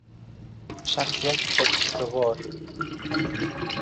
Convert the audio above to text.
شخصیت خود استوار